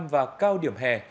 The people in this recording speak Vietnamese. và cao điểm hè